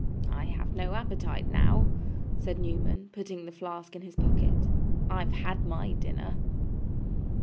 'I have no appetite now,' said Newman, putting the flask in his pocket. 'I've had MY dinner.